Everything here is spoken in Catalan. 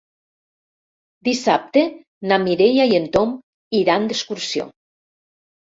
Dissabte na Mireia i en Tom iran d'excursió.